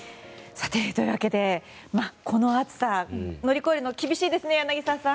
さて、この暑さ乗り越えるのは厳しいですね柳澤さん。